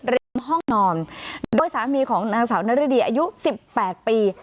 ริมห้องนอนโดยสามีของนางสาวนรดีอายุสิบแปดปี